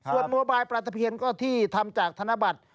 ส่วนโมบายปลาตะเพียนก็ที่ทำจากธนบัตร